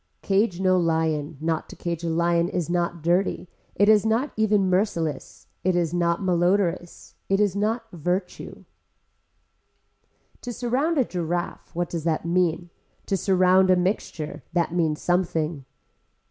Cage no lion, not to cage a lion is not dirty, it is not even merciless, it is not malodorous, it is not virtue. To surround a giraffe, what does that mean. To surround a mixture, that means something.